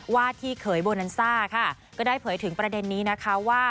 ว่าที่เขยโบนันซ่าค่ะก็ได้เผยถึงประเด็นนี้นะคะว่า